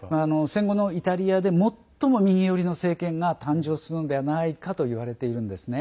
戦後のイタリアで最も右寄りの政権が誕生するんではないかといわれているんですね。